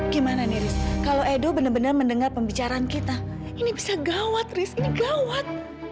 gimana nih ris kalau edo benar benar mendengar pembicaraan kita ini bisa gawat ris ini gawat